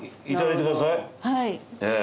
はい。